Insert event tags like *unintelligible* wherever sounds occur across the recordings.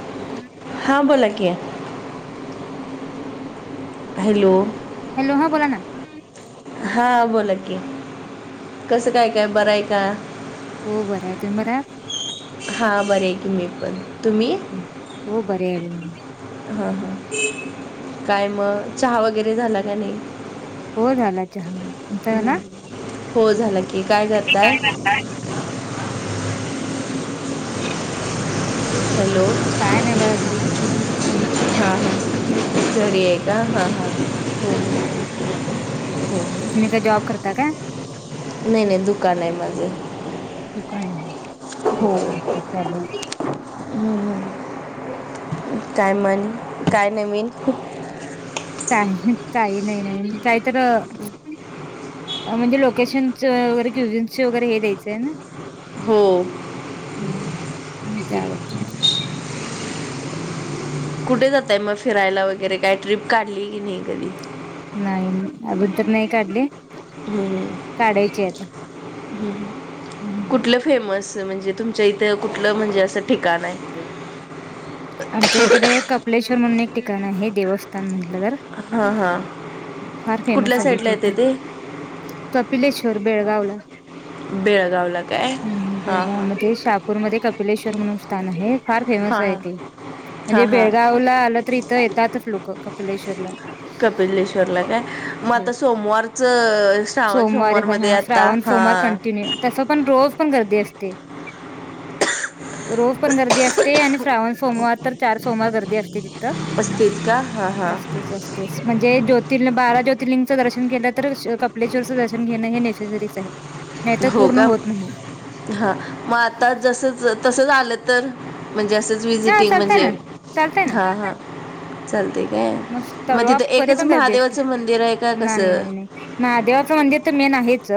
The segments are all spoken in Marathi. हम. हां बोला की. हॅलो! हॅलो! हां बोला ना. हा बोला की कसं काय काय बरंय का. हो बरं आहे तुमही बर हा बरी आहे की मी पण. तुम्ही? ह् हो बरी आहे मी. हा हा, काय मग चहा वगैरे झाला का नाही? हो झाला चहा तुमचा झाला हो झाला कि. काय करताय? हॅलो काय नाही ब घरी. हां हां घरी आहे का हा हा. हो हो तुम्ही काय जॉब करता का? नाही नाही दुकान आहे माझं. दुकान आहे केक चालेल *unintelligible* हम काय म्हण, काय नवीन? काही काही नाही नाही काही तर म्हणजे लोकेशनच वगैरे क्युझन्सच वगैरे हे द्यायचंय ना. हो. हा *unintelligible* कुठे जातय मग फिरायला वगैरे काय ट्रिप काढली की नाही कधी? नाही अभ तर नाही काढली. हम् हम् कुठलं. फेमस म्हणजे तुमच्या इथं कुठलं म्हणजे असं ठिकाण आहे? आमच्या इकडे कपलेश्वर म्हणून एक ठिकाण आहे, देवस्थान म्हटलं तर. हां हां फार फेमस कुठल्या आली साईडला तथ. येते ते कपिलेश्वर बेळगावला बेळगावला काय हम् हां बेळगाव हां मध्ये शा नागपूरमध्ये कपिलेश्वर म्हणून स्थान हे फार फेमस हां आहे हां ते. म्हणजे हां हां बेळगावला आलं तर इथं येतातच लोक कपिलेश्वरला. कपिलेश्वरला काय मग हो आता सोमवारच श्रवण सोमवार मध्ये आता हा तस पण रोज पण गर्दी असते, रोज पण गर्दी असते आणि श्रावण सोमवार तर चार सोमवार गर्दी असते तिथं. असतित का हा हां. असतेच म्हणजे जोतिर न बारा ज्यो ज्यर्लिंगं दर्शन केलं तर कपलेश्वरचं दर्शन घेण हे नेसेसरीस आहे. नाही तर हो पूर्ण का. होत नाही हा मग आता जसच तस आलं तर म्हणजे असं. हा जिटिंग चालतय म्हणजे ना चालतय हा हा चालते काय? मस्त मग वा तिथं वरी एकच पण गर्दी असते, महादेवाचं मंदिर आहे का नाही कसं नाही नाही. महादेवाचं मंदिर तर मेन आहेच,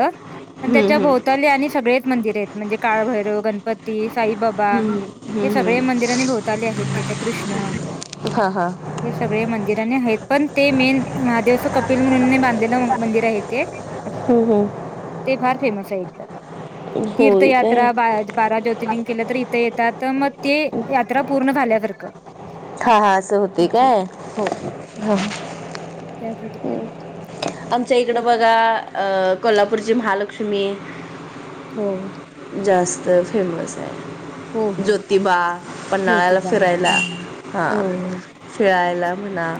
पण त्याच्या हं, हं, भोवताले आणि सगळेच मंदिर आहेत. म्हणजे काळभैरव, गणपती, साईबाबा बा बा हे हं, हं. सगळे मंदिरानी भोवताले आहेत त्याच्या कृष्ण. हा हा. सगळ्या मंदिरानी आहेत पण ते मेन महादेवचं कपिल म्हणूने बांधलेलं मंदिर आहे ते. हम्, हम्म. ते फार फेमस आहे इथ होय काय तीर्थयात्रा बारा ज्योतर्लिंग. तर इथे येतात मग ते यात्रा पूर्ण झाल्यावर का. हा हा असं होते काय. हो. हा. जयकट. आमच्या इकडं बघा अ कोल्हापूरची महालक्ष्मी हो. जास्त फेमस हो आहे हो ज्योतिबा पन्हाळ्याला ज्योतिबा फिरायला. हा हो खेळायला म्हणा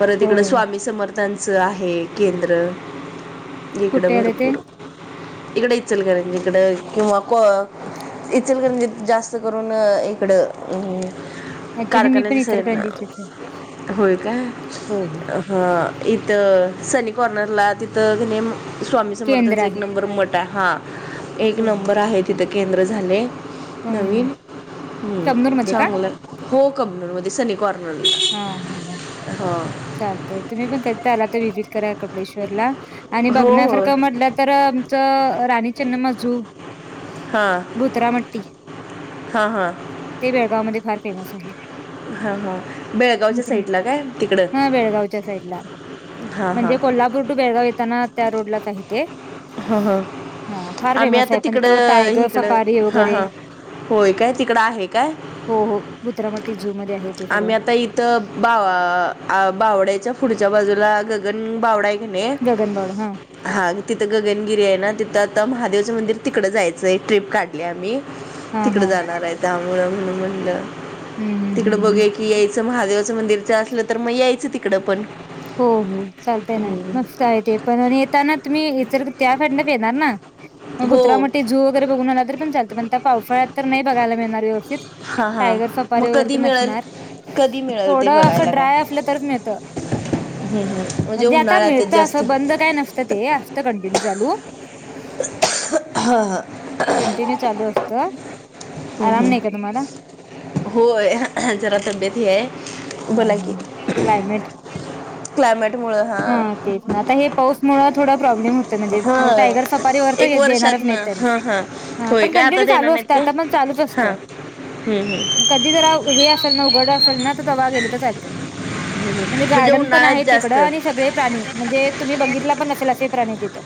परत हो इकड स्वामी समर्थ त्यांचं आहे केंद्र इकडं कुठे आले ते भरपूर. इकडे इचलकरंजीत का इकड किंवा इचलकरंजील म्हणजे जास्त करून इकडं ऍक्च्युली क मी पण इचलकरंजीचीच आहे. जसेरना होय का. हो हो. हा इथं सनी कॉर्नरला तिथं स्वामी केंद्र समर्थांच एक आहे. नंबर मट हा एक हो हो. नंबर आहे तिथे केंद्र झाले. हं हं नवीन कमनूर हम्म मध्ये का? चांगलं हो कनर मध्ये सनी कॉर्नर. हा हम ह चालतय तुम्ही पण त आला तर विजिट करा कबळेश्वरला. आणि हो बगना हो फरका म्हटलं तर आमचं राणीचन्मजू हां भुत्रामट्टी हां हां ते बेळगाव मध्ये फार फेमस आहे. हां हां. बेळगावच्या साईडला काय तिकडं हा बेळगावच्या साईड ला. हां हां म्हणजे कोल्हापूर टू बेळगाव येताना त्या रोड ला काही ते. हा हा हा फार आम्ही फेमस आता आहे पण तिथं तिकडं टायगर हिकडं सफारी हा वगैरे हा. होय काय तिकडं आहे काय. हो हो मत्रामटी जू मध्ये आहेत. आम्ही आता इथं बा बावड्याच्या पुढच्या बाजूला गगन बावडा. नाही गगनबावडा हा हा तिथं गगनगिरी आहे ना तिथं आता महादेवचं मंदिर तिकडं जायचं आहे ट्रिप काढली आम्ही. हा तिकड हा जाणार आहे त्यामुोळ म्हणून म्हणलं. हम् हम हम. बघे की यायचं महादेवाचं मंदिरच असलं तर मग यायचं तिकडं पण. हो हो चालतय ना मस्त आहे ते पण आणि येताना तुम्ही इतर त्या साईडनत येणार ना. मग भुत्रा हो म झू वगैरे बघून आला तर पण चालत पणता पावसाळ्यात तर नाही बघयला मिळणार व्यवस्थित. हां हां टायगर मग सपारी वगैरे कधी तर मिळेल नसणार कधी मिळेल थोडं असं ड्राय असलं तरच मिळत. हम्म हम्. म्हणजे आता मिळत असं बंद काय नसतं ते असत कंटिन्यू चालू. ह. कंटिन्यू चालू असतं. हम् आराम नाही का तुम्हाला? हम् होय जरा तब्येत आहे. हं, बोला कि हं. क्लायमेट क्लायमेट मुळ हा. हां तेच ना आता हे पाऊसमुळे थोडा प्रॉब्लेम होत. म्हणजे हा टायगर सफारी वर एक वर्षात देणारच नाही ना त्यांनी हा हा होय पण काय आता कंटिन्यू देणार चालू नाहीत असत. काय आता पण चालूच हा असतं. हम्म हम्म मग कधी जरा हे असेल ना उघड असेल ना तर तवा गेले तर जायचं. म्हणजे गार्डन पण उन्हाळ्यात आहे तिकडं जास्त आणि सगळे प्राणी म्हणजे तुम्ही बघितला पण नसेल असे प्राणी तिथं.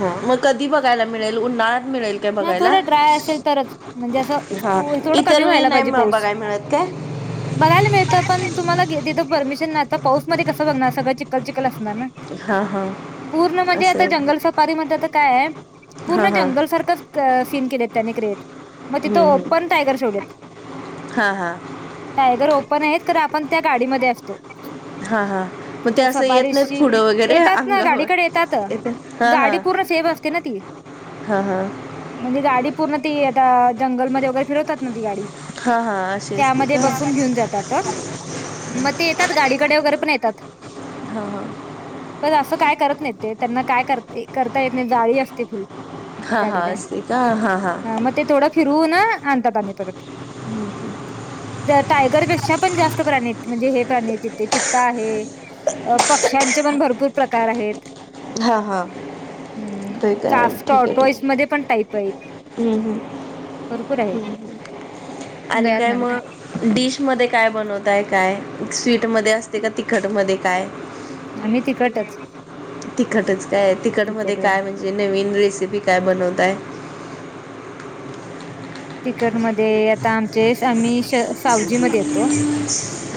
ह मग कधी बघायला मिळेल उन्हाळ्यात मिळेल. काय हा बघायला थोडं ड्राय असेल तरच म्हणजे असं हा थोडं इतर कमी वेळी व्हायला नाही पाहिजे म पाऊस. बघायला मिळत काय बघायला मिळतं पण तुम्हाला तथं परमिशन नाही आता पाऊस मध्ये कस बघणार सगळं चिकखल चिखल असणार ना! हा हा पूर्ण म्हणजे असं आता आहे जंगल सफारी मण आता काय आहे. का पूर्ण हा हा जंगल सारखं क-सीन केलेत त्याने क्रिएट म तिथं हम्म हम्म ओपन टायगर ठेवलेत. हा हा टायगर ओपन आहेत तर आपण त्या गाडीमध्ये असतो. हा हा मग ते तिथं असं येत नाहीत सफारीशची - *unintelligible* पुढं वगैरे येतात, ना अंगावर गाडीकडे येतात येत हा हा गाडी पूर्ण सेफ अस ते ना ती *inaudible* हा- हा म्हणजे गाडी पूर्ण ती आता जंगलमध्ये वगैरे फिरवतात ना ती गाडी हा हा अशी असते त्यामध्ये का बसवून घेऊन जातात. मग ते येतात गाडीकडे वगैरे पण येतात. *inaudible* हां -हां पण असं काय करत नाही ते त्यांना काय कर -करता येत नाही जाळी असते फुल्ल. हा -हा अस असती का हां -हां. मग ते थोडं फिरवून आणतात आणि परत. ह *inaudible* त्या टायगरपेक्षा पण जास्त प्राणी म्हणजे हे प्राणी तिथे चित्ता आहे. अ पक्ष्यांचे पण भरपूर प्रकार आहेत. हा हा हम्म ते काय ठीक आहे ठीक आहे कास-टाॅरटाॅजमध्ये पण टाईप आहेत. हम्म हम्म भरपूर आहेत, गळ्यात नाही बेटा. डिश मध्ये काय बनवताय काय स्वीट मध्ये असते का तिखट मध्ये काय? आम्ही तिखटच. *unintelligible* तिखटच काय आहे तिखट मध्ये काय म्हणजे नवीन रेसिपी काय बनवताय? *inaudible* तिकट मध्ये आता आमचेस आम्हीश त आम्ही सावजी मध्ये येतो,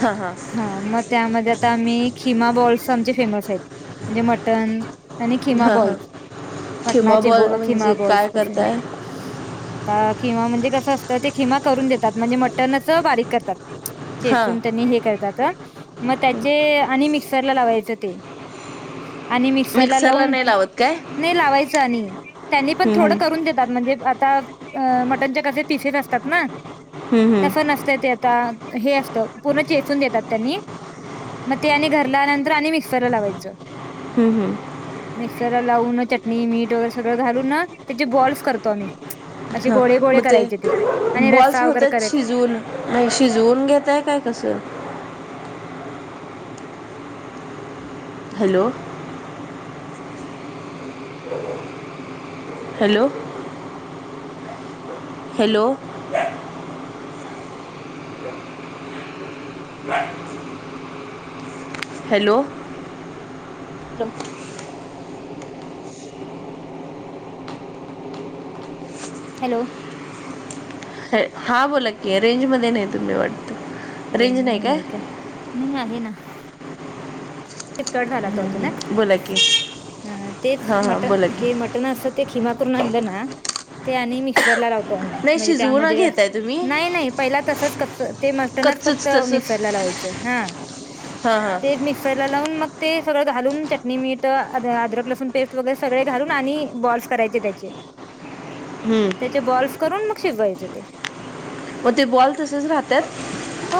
हां हां हं मग त्यामध्ये आता आम्ही खिमा बॉल्स आमचे फेमस आहेत. म्हणजे मटन आणि खिमा हां हां बॉल्स किंवा मटणाचे- बॉल ब खिमा म्हणजे बॉल्स काय *unintelligible* कसे. करताय आता खिमा म्हणजे कसं असतं, ते खिमा करून देतात म्हणजे मटनच बारीक करतात. हां चेचून त्यांनी हे करतात. मग त्याचे आणि मिक्सरला लावायचं ते आणि मिक्सरला लावून नाही लावत काय नाही लावायचं आणि त्यांनी पण थोडं हम्म करून देतात म्हणजे आता मटनच्या कसे पिसेेस असतात ना हम्म हम्म तस नस त ते आता हे असत पूर्ण चेचून देतात त्यांनी. मग ते आणि घरला आनंतर आणि मिक्सर लावायचं. हम्म हम्म -हम्म मिक्सर लावून चटणी, मीठ वगैरे सगळं घालून ना त्याचे बॉल्स करतो आम्ही. असे ह गोळे गोळे मग ते करायचे आणि बॉल्स रस्सा वगैरे होत्यात करायच शिजवुन? नाही शिजवून घेताय काय कसं? Hello hello hello bye *inaudible* hello लो हॅलो हॅ-हा बोला की रेंजमध्ये नाही तुम्ही वाटत. रेंज रेंजमध्ये काय नाही का नाही आहे ना. तेच कट झाला तो अचानक बोला की हं तेच हा हा मट बोला की हे मट टण अस ते खिमा करून आणलं ना ते आणि मिक्सरला लाव तो आम्ही नाही म्हणजे शिजवू न त्यामध्ये असं घेताय तुम्ही नाही -नाही पहिला तसच कच्च ते म टणच फक्त कच्चच तसच मिक्सरला लावायच हा, हा हा ते मिक्स क्सरला लावून मग ते सगळं घालून चटणी, मीठ आद- अदरक- लसूण पेस्ट वैगरे सगळे घालून आणि बॉल्स करायचे त्याचे. हम्म. चे बॉल्स करून मग शिजवायचे ते. म ते बॉल तसेच राहत्यात. हो,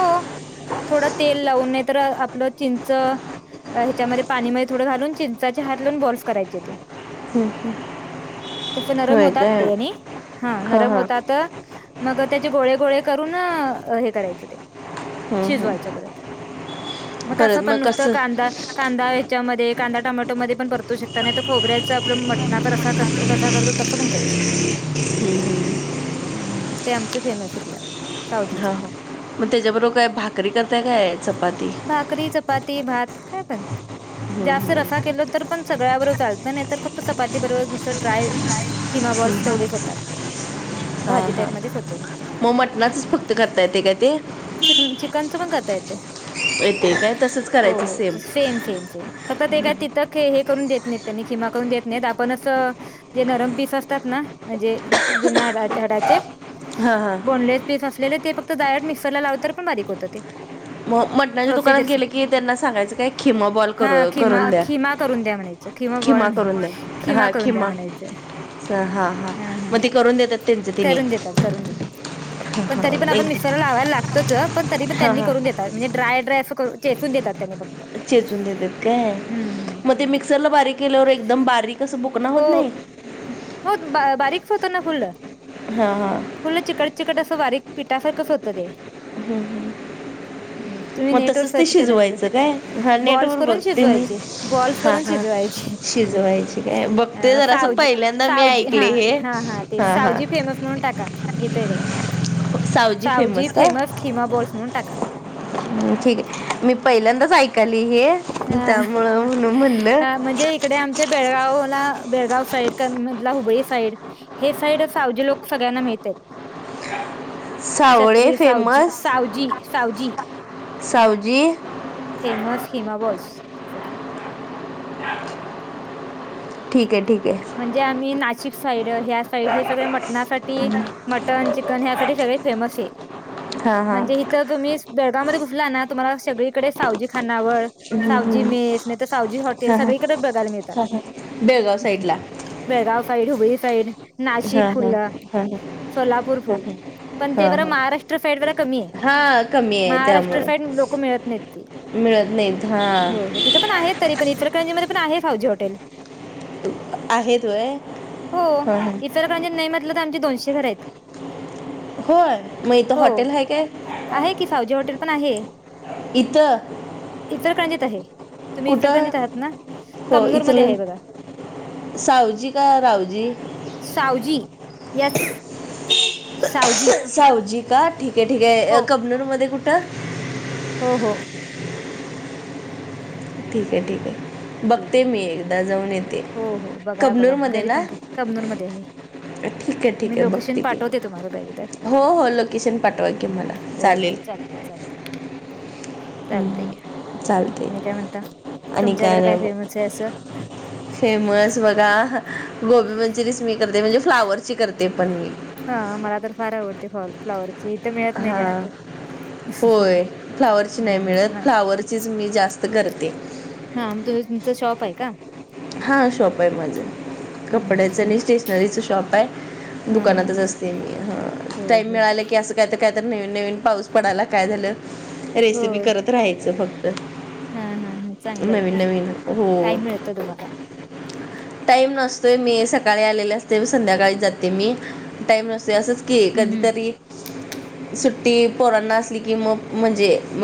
थोडं तेल लावून नाहीतर आपलं चिंच अ ह्याच्या मध्ये पाणी मध्ये थोडं घालून चिंचाचे हात लावून बॉम्स करायचे ते. हम्म हम्म. तसे नरम होतात ते आणि, हा नरम होतात. मग त्याचे गोळे गोळे करून हे करायचं ते, हम्म हम्म शिजवायचं परत. म कसं परत पण मग नुसतं कांदा कांदा ह्याच्यामध्ये कांदा टॅमॅटो मध्ये पण परतू शकता नाहीतर खोबऱ्याचा आपलं मटणाचा रसा कर कसा करतो तस पण करू शकतो. *inaudible* हम्म हम ते आमचं फेमस ईथलं, चावजीच. म त्याच्याबरोबर काय भाकरी करताय काय चपाती? भाकरी, चपाती, भात काय पण, जास्त रसा केल तर पण सगळ्या बरोबर चालत नाहीतर फक्त चपाती बरोबर नुस्त ट्राय खिमा बॉल्स तेवढेच होतात ते. हा भाजी हा, टाईप मध्येच होतं फक्त म मटणाचच फक्त करता येते काय ते? चिकन चिकनच पण करता येतय, येते काय तसंच हो करायचं हो सेम सेम सेम. फक्त ते काय तिथ खे हे करून देत नाहित त्यांनी खिमा करून देत नाहीत आपणच जे नरम पीस असतात ना म्हणजे ह बिना हाडाचे. हां हां बोनलेस पीस असलेले ते फक्त जाळ्यात मिक्सरला लावतर पण बारीक होतं ते. म मटणाच्या प्रोसिजर दुकानात सेम गेल की त्यांना सांगायचं काय खिमा बॉल कर करून द्या. च खिमा बॉल नाही, खिमा करून द्या म्हणायचं. सहा. हा हा, करून देतात करून देतात. पण तरी पण आपण मिक्सरला लावायला लागतोच पण तरी पण हा त्यांनी हा करून देत म्हनजे ड्राय ड्राय असं करू चेचून देतात त्यांनी फक चेचून देतात काय, म ते मिक्सरला बारीक केल्यावर एकदम बारीक तसं बुकन होत नाही. होत बा बारीक्स होतना फुल्ल. हा हा. फुल चिकट चिकट असं बारीक पिठासारखंच होतं ते. हम्म हम्म. हम्म, तुम्ही म नेट वर तसच ते सर्च करणार एकदा शिजवायचं काय, हा नेटवर बघ ते मी. बोल्स वरून शिजवायचे. शिजवायचे. अ सावजी, सावजी हा ऐकले हे हा हा ते सावजी फेमस म्हणून टाका. येतय बघा, सावजी फेमस खिमा बॉल्स म्हणून टाका. ह ठीके मी पहिल्यांदाच ऐकाली हे हा. त्यामुळं म्हणून म्हणलं. हा म्हणजे इकडे आमचे बेळगावला बेळगाव साईड कर्न मधला हुबळी साईड. हे साईड सावजी लोक सगळ्यांना माहित्यात. *inaudible* सावळे Savji famous, Savji Savji Savji. Famous keema balls, अस टाका. ठीके ठी म्हणजे आम्ही नाशिक साईड ह्या साईड हे सगळे मटणासाठी, मटण चीक कण ह्यासाठी सगळे फेमस हे, हा हा म्हणजे तर तुम्ही बेळगाव मध्ये घुसला ना तुम्हाला सगळीकडे सावजी खानावळ. हम्म, सावजी हम्म. मेस नाहीतर सावजी हॉटेल हा हा सगळीकडे बघायला मिळतात. हा हा बेळगाव साईडला बेळगाव साईड हुबळी साईड हा नाशिक हा फुललं हा हा सोलापूर हा फुल पण ते हा हा महाराष्ट्र साईड जरा. हा कमी आहे महाराष्ट्र त्यामुळे साईड लोक मिळत नाही मिळत नाहीत हा पण आहेत तरी पण इफरकरंजीमध्ये पण आहे फाजी हटेल आहेत. वय हो हा हा इफर खज नाही म्हटलं तर आमचे दोनशे घर आहेत होय मग इथं हो हॉटेल आहे काय आहे की सावजी हॉटेल पण आहे इथ इफरकंजत आहे तुम्ही कुठं इफरकंजत आहात ना हो कमनूर मध्ये इचल आहे बघा सावजी का रावजी सावजी येस सावजी का ठीक आहे ठीक आहे हो कबनूर मध्ये कुठं? हो हो. ठीक आहे ठीक आहे. ठीक बघते आहे मी एकदा जाऊन येते हो हो बघा बघा कबनूर मध्ये घरी ना- पण कबनूर मध्ये आहे ठीक आहे ठीक मी आहे लोकेशन बघते मी पाठवते तुम्हाला पाहिजे तर हो हो लोकेशन पाठवा के मला चालेल. चालत का हम्म, चालते आणि काय म्हणत आणि तुमच्याकडे नाही काय मग फेमस आहे असं फेमस बघा गोबी मंचुरियस मी करते म्हणजे फ्लावरची करते पण मी हा मला आ तर फार आवडते फॉल फ्लावरची इथ मिळत नाही हां जास्त होय हम्. तचीच मी जास्त करते. हा मग तु तुमचा शॉप आहे का? हा शॉप आहे माझे हम्म कपड्याचं हम्म आणि स्टेशनरीच शॉप आहे हा हा दुकानातच असत. ते मी हा हो टाईम हो मिळालं की असं काय तर काय तर नवीन नवीन पाऊस पडाला काय झालं. रेसिपी हो करत राहायचं फक्त हा हा नवीन नवीन हो. मला *inaudible* *unintelligible* टाईम नसतोय मी सकाळी आलेले असते संध्याकाळी जाते मी टाईम नसतो असंच. की हम्म हम्म. कधीतरी सुट्टी पोरांना असली की मग म्हणजे मला